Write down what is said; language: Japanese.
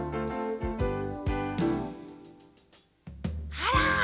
あら！